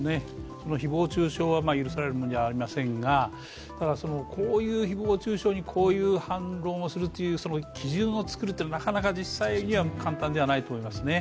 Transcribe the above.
誹謗中傷は許されるものではありませんが、誹謗中傷にこういう反論をするという基準を作るというのは、なかなか実際には簡単ではないと思いますね。